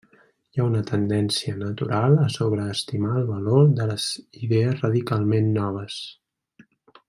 Hi ha una tendència natural a sobreestimar el valor de les idees radicalment noves.